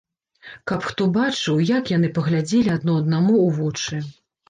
Каб хто бачыў, як яны паглядзелі адно аднаму ў вочы!